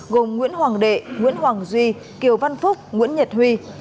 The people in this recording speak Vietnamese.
gồm nguyễn hoàng đệ nguyễn hoàng duy kiều văn phúc nguyễn nhật huy